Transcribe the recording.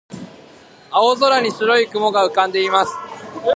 青空に白い雲が浮かんでいます。